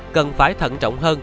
cần phải thận trọng hơn